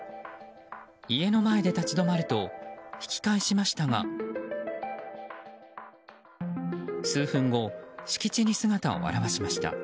家の前で立ち止まると引き返しましたが数分後、敷地に姿を現しました。